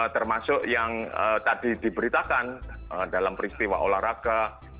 termasuk yang tadi diberitakan dalam peristiwa olahraga